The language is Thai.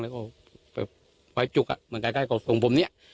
แล้วก็ไอ้จุกอะเหมือนคล้ายกับตรงปุ่มนี้